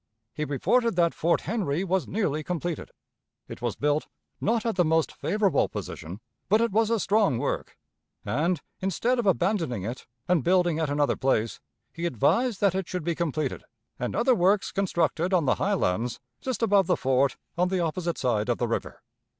He reported that Fort Henry was nearly completed. It was built, not at the most favorable position, but it was a strong work, and, instead of abandoning it and building at another place, he advised that it should be completed, and other works constructed on the high lands just above the fort on the opposite side of the river.